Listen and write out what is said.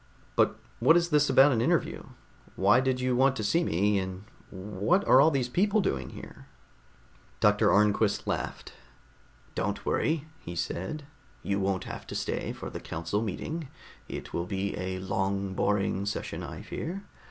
"But what is this about an interview? Why did you want to see me, and what are all these people doing here?" Dr. Arnquist laughed. "Don't worry," he said. "You won't have to stay for the council meeting. It will be a long boring session, I fear.